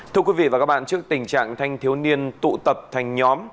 thưa quý vị và các bạn trước tình trạng thanh thiếu niên tụ tập thành nhóm